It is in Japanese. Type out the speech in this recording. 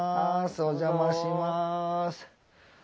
お邪魔します。